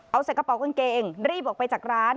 เอาใส่กระเป๋ากางเกงรีบออกไปจากร้าน